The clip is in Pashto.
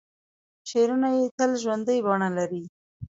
شعرونه یې تل ژوندۍ بڼه لري.